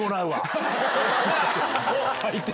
最低！